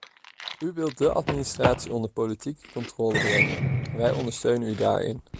U wilt de administratie onder politieke controle brengen, en wij ondersteunen u daarin.